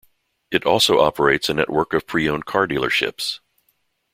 It also operates a network of pre-owned car dealerships.